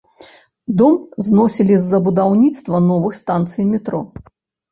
Дом зносілі з-за будаўніцтва новых станцый метро.